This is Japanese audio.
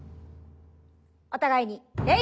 お互いに礼！